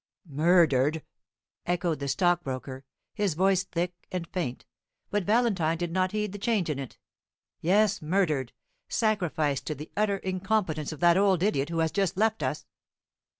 "Murdered!" echoed the stockbroker, his voice thick and faint; but Valentine did not heed the change in it. "Yes, murdered sacrificed to the utter incompetence of that old idiot who has just left us."